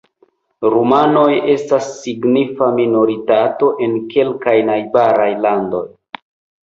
Rumanoj estas signifa minoritato en kelkaj najbaraj landoj.